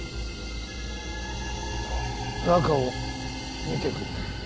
中を見てくる。